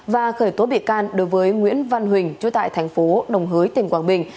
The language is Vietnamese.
và khởi tố bị can đối với nguyễn văn huỳnh chú tại thành phố đồng hới tỉnh quảng bình